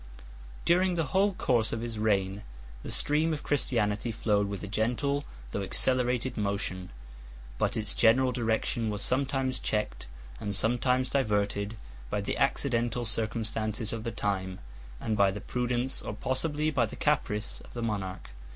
During the whole course of his reign, the stream of Christianity flowed with a gentle, though accelerated, motion: but its general direction was sometimes checked, and sometimes diverted, by the accidental circumstances of the times, and by the prudence, or possibly by the caprice, of the monarch.